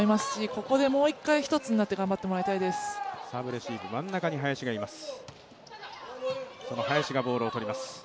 ここでもう一回一つになって頑張ってもらいたいです。